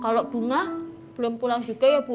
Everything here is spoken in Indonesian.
kalau bunga belum pulang juga ya bu